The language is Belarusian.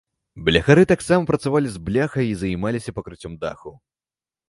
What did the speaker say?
Бляхары таксама працавалі з бляхай і займаліся пакрыццём дахаў.